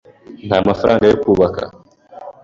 Nta mafaranga yo kubaka.